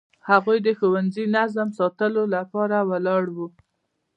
هغوی د ښوونځي نظم ساتلو لپاره ولاړ وو.